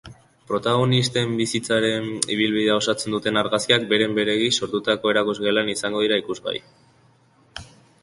Protagonisten bizitzaren ibilbidea osatzen duten argazkiak beren-beregi sortutako erakusgelan izango dira ikusgai.